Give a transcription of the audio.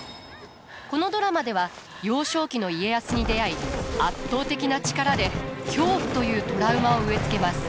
このドラマでは幼少期の家康に出会い圧倒的な力で恐怖というトラウマを植え付けます。